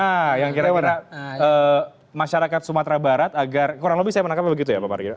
nah yang kira kira masyarakat sumatera barat agar kurang lebih saya menangkapnya begitu ya pak marga